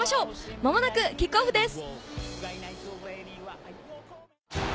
間もなくキックオフです。